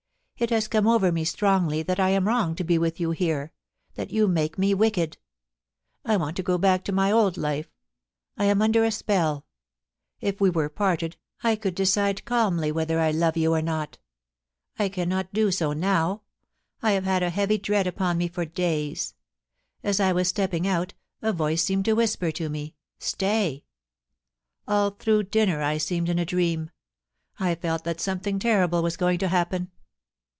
It has come over me strongly that I am wrong to be with you here — that you make me wicked. I want to go back to my old life. I am under a spelL If we were parted, I could decide calmly whether I love you or not I cannot do so now. ... I have had a heavy dread upon me for days. As I was stepping out, a voice seemed to whisper to me^ " Stay !" All through dinner I seemed in a dream. I felt that something terrible was going to happen.